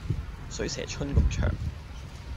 水蛇春咁長